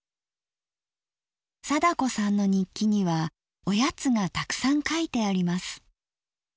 貞子さんの日記にはおやつがたくさん書いてあります。